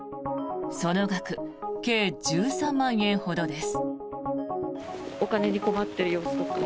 その額、計１３万円ほどです。